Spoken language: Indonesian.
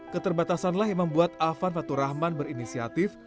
keterbatasanlah yang membuat afan fatur rahman berinisiatif